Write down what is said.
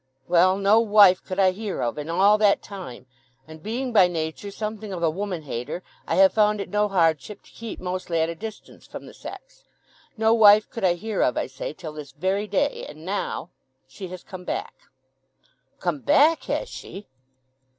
"Well—no wife could I hear of in all that time; and being by nature something of a woman hater, I have found it no hardship to keep mostly at a distance from the sex. No wife could I hear of, I say, till this very day. And now—she has come back." "Come back, has she!"